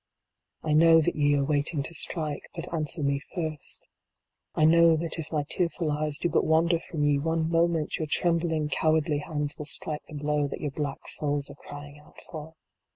I know that ye are waiting to strike, but answer me first I know that if my tearful eyes do but wander from ye one moment, your trembling cowardly hands will strike the blow that your black souls are crying out for.